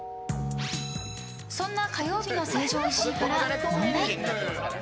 そんな火曜日の成城石井から問題！